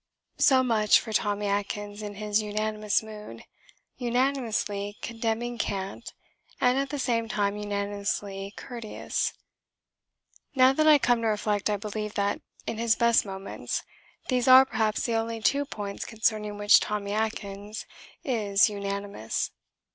So much for Tommy Atkins in his unanimous mood unanimously condemning cant and at the same time unanimously courteous. Now that I come to reflect I believe that, in his best moments, these are perhaps the only two points concerning which Tommy Atkins is unanimous.